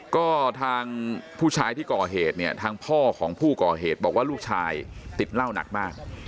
ก็ทางผู้ชายที่ก่อเหตุเนี่ยทางพ่อของผู้ก่อเหตุบอกว่าลูกชายติดเหล้าหนักมาก